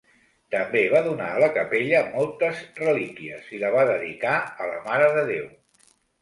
També va donar a la capella moltes relíquies i la va dedicar a la Mare de Déu.